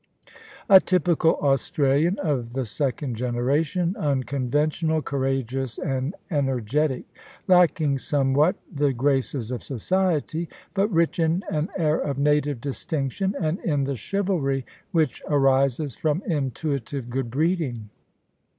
A typical Australian of the second generation, unconven tional, courageous, and energetic ; lacking somewhat the ^ AN A USTRALIAN EXPLORER, 65 graces of society, but rich in an air of native distinction, and in the chivalry which arises from intuitive good breeding.